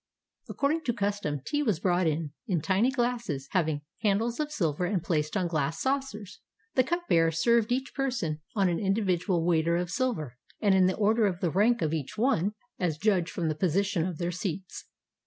Accord ing to custom, tea was brought in in tiny glasses having handles of silver, and placed on glass saucers. The cup bearer served each person on an individual waiter of sUver, and in the order of the rank of each one, as judged from the position of their seats.